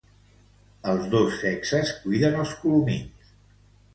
Els dos sexes cuiden els colomins.